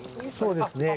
そうですね。